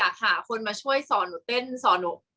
กากตัวทำอะไรบ้างอยู่ตรงนี้คนเดียว